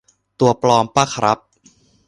ตัวปลอมปะครับ